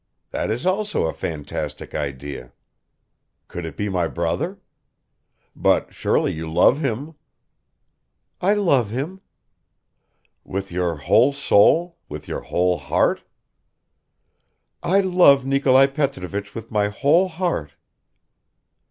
That is also a fantastic idea. Could it be my brother? But surely you love him?" "I love him." "With your whole soul, with your whole heart?" "I love Nikolai Petrovich with my whole heart."